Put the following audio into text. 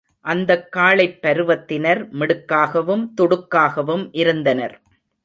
அந்தக் காளைப் பருவத்தினர் மிடுக்காகவும் துடுக்காகவும் இருந்தனர்.